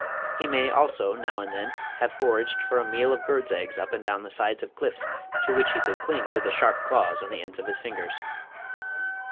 He may, also, now and then, have foraged for a meal of birds' eggs up and down the sides of cliffs to which he could cling with the sharp claws on the ends of his fingers.